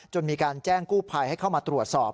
มีการแจ้งกู้ภัยให้เข้ามาตรวจสอบ